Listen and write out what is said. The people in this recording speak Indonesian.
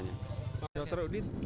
iya terima kasih banyak